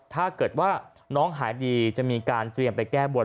ถ้าเกิดว่าน้องหายดีจะมีการเตรียมไปแก้บน